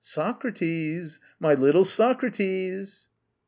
Socrates! my little Socrates!